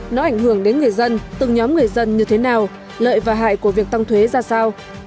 nó ảnh hưởng đến người dân từng nhóm người dân như thế nào lợi và hại của việc tăng thuế ra sao